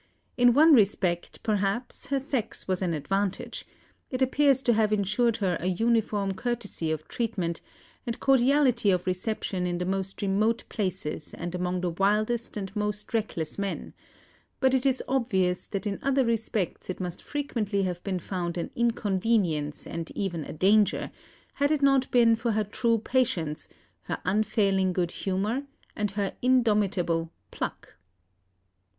In one respect, perhaps, her sex was an advantage; it appears to have ensured her an uniform courtesy of treatment and cordiality of reception in the most remote places and among the wildest and most reckless men; but it is obvious that in other respects it must frequently have been found an inconvenience and even a danger, had it not been for her true patience, her unfailing good humour, and her indomitable "pluck."